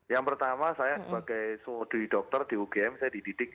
yang pertama saya sebagai seorang dwi dokter di ugm saya dididik